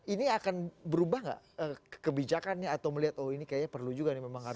ini akan berubah nggak kebijakannya atau melihat oh ini kayaknya perlu juga nih memang harus